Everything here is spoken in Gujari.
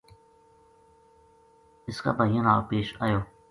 اس کا بھائیاں نال پیش آیو